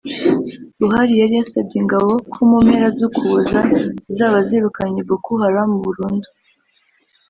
Buhari yari yasabye ingabo ko mu mpera z’Ukuboza zizaba zirukanye Boko Haram burundu